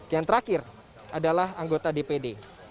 yang terakhir adalah anggota dpd